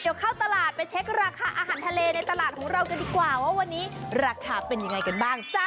เดี๋ยวเข้าตลาดไปเช็คราคาอาหารทะเลในตลาดของเรากันดีกว่าว่าวันนี้ราคาเป็นยังไงกันบ้างจ๊ะ